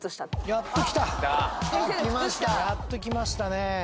やっときましたね。